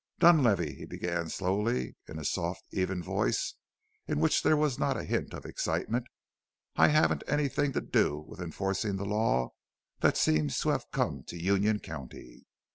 "Dunlavey," he began slowly, in a soft, even voice, in which there was not a hint of excitement, "I haven't anything to do with enforcing the law that seems to have come to Union County.